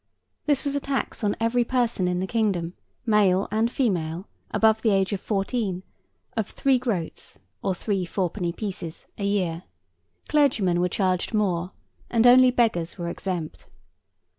This was a tax on every person in the kingdom, male and female, above the age of fourteen, of three groats (or three four penny pieces) a year; clergymen were charged more, and only beggars were exempt.